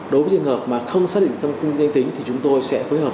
đối với trường hợp mà không xác định trong công ty danh tính thì chúng tôi sẽ phối hợp